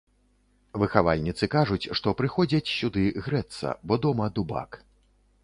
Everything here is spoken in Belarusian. Выхавальніцы кажуць, што прыходзяць сюды грэцца, бо дома дубак.